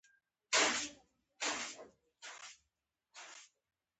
دا په پنځه سوه کلونو کې و.